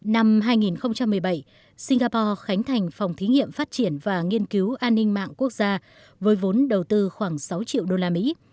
năm hai nghìn một mươi bảy singapore khánh thành phòng thí nghiệm phát triển và nghiên cứu an ninh mạng quốc gia với vốn đầu tư khoảng sáu triệu đô la mỹ